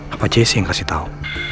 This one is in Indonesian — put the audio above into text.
apa jesse yang kasih tahu